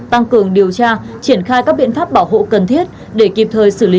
tăng cường điều tra triển khai các biện pháp bảo hộ cần thiết để kịp thời xử lý